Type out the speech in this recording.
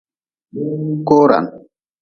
Koran.